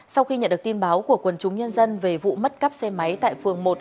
sau khi nhận được tin báo của quần chúng nhân dân về vụ mất cắp xe máy tại phường một